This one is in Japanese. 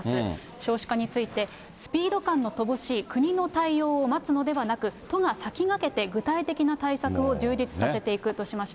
少子化について、スピード感の乏しい国の対応を待つのではなく、都が先駆けて具体的な対策を充実させていくとしまして。